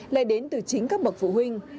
lại đến từ chính các bậc phụ huynh